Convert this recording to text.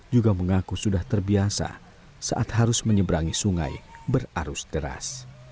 juga mengaku sudah terbiasa saat harus menyeberangi sungai berarus deras